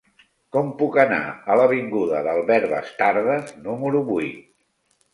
Com puc anar a l'avinguda d'Albert Bastardas número vuit?